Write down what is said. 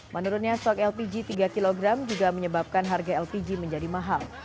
menurutnya stok lpg tiga kg juga menyebabkan harga lpg menjadi mahal